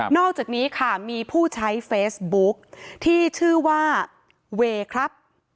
อกจากนี้ค่ะมีผู้ใช้เฟซบุ๊กที่ชื่อว่าเวย์ครับ